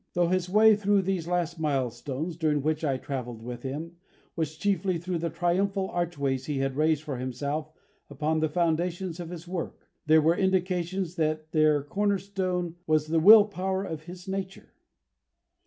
Though his way through these last milestones, during which I travelled with him, was chiefly through the triumphal archways he had raised for himself upon the foundations of his work, there were indications that their cornerstone was the will power of his nature.